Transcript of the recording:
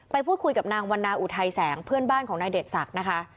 ไปพูดคุยกับนางวันนาอุทัยแสงเพื่อนบ้านของนายเดชศักดิ์นะคะ